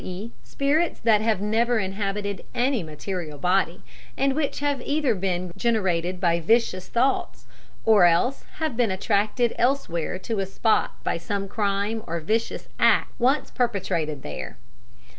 e. spirits that have never inhabited any material body, and which have either been generated by vicious thoughts, or else have been attracted elsewhere to a spot by some crime or vicious act once perpetrated there.